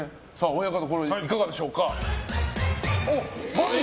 親方いかがでしょうか。×！